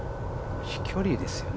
飛距離ですね。